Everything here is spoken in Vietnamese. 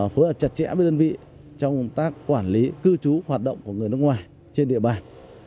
phối hợp chặt chẽ với đơn vị trong công tác quản lý cư trú hoạt động của người nước ngoài trên địa bàn